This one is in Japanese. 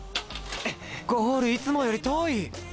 ゴール、いつもより遠い！